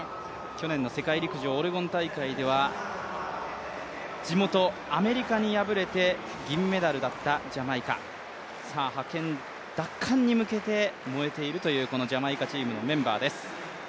去年の世界陸上オレゴン大会では地元・アメリカに敗れて銀メダルだったジャマイカ。覇権奪還に向けて燃えているというジャマイカチームのメンバーです。